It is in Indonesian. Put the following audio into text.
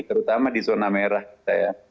terutama di zona merah kita ya